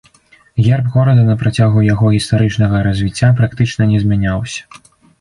Герб горада на працягу яго гістарычнага развіцця практычна не змяняўся.